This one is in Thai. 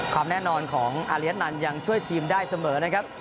ความแน่นอนของอาเลียนันยังช่วยทีมได้เสมอนะครับ